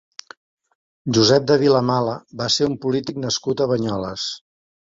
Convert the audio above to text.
Josep de Vilamala va ser un polític nascut a Banyoles.